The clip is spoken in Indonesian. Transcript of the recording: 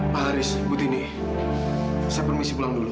pak haris butini saya permisi pulang dulu